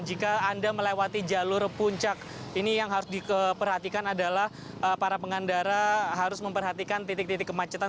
jika anda melewati jalur puncak ini yang harus diperhatikan adalah para pengendara harus memperhatikan titik titik kemacetan